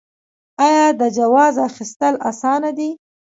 آیا د جواز اخیستل اسانه دي؟